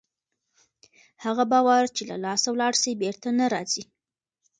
هغه باور چې له لاسه ولاړ سي بېرته نه راځي.